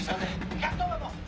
１１０番も！」